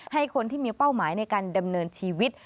ให้คนที่มีเป้าหมายในการดำเนินชีวิต